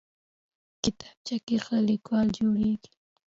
کتابچه کې ښه لیکوال جوړېږي